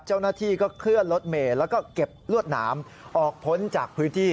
เจ้าหน้าที่ก็เคลื่อนรถเมย์แล้วก็เก็บลวดหนามออกพ้นจากพื้นที่